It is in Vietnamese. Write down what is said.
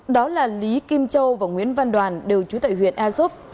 đó là lý kim châu và nguyễn văn đoàn đều trú tại huyện a dốc